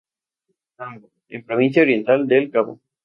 Tambo, en Provincia Oriental del Cabo.